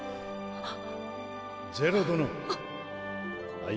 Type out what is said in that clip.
あっ。